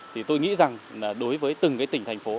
thì tôi nghĩ rằng là đối với từng cái tỉnh thành phố